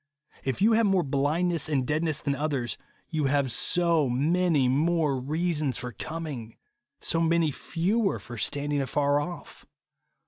If you have more blind ness and deadness than others, you have so many more reasons for coming, so many fewer for standing afar off.